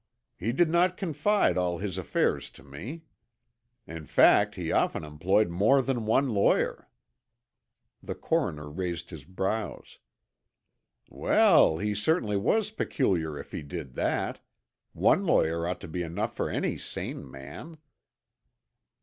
He did not confide all his affairs to me. In fact, he often employed more than one lawyer." The coroner raised his brows. "Well, he certainly was peculiar if he did that. One lawyer ought to be enough for any sane man."